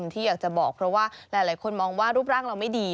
ที่อยากจะบอกเพราะว่าหลายคนมองว่ารูปร่างเราไม่ดี